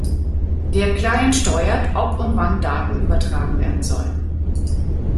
Der Client steuert, ob und wann Daten übertragen werden sollen.